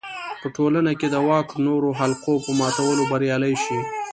په ټولنه کې د واک نورو حلقو په ماتولو بریالی شي.